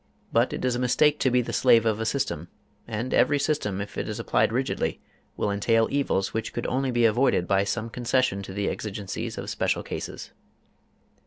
But it is a mistake to be the slave of a system, and every system, if it is applied rigidly, will entail evils which could only be avoided by some concession to the exigencies of special cases.